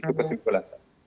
itu kesimpulan saya